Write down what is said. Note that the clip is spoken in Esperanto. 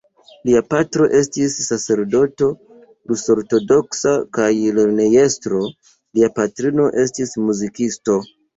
Lia patro estis sacerdoto rus-ortodoksa kaj lernejestro; lia patrino estis muzikisto.